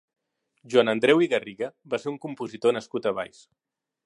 Joan Andreu i Garriga va ser un compositor nascut a Valls.